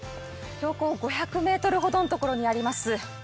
標高５００ｍほどのところにあります